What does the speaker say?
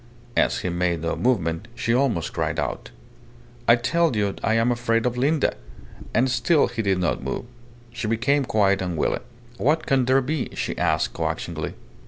As he made no movement, she almost cried aloud "I tell you I am afraid of Linda!" And still he did not move. She became quiet and wily. "What can there be?" she asked, coaxingly.